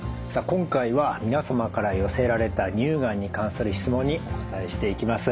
今回は皆様から寄せられた乳がんに関する質問にお答えしていきます。